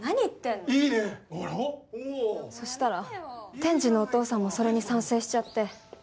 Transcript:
そしたら天智のお父さんもそれに賛成しちゃって。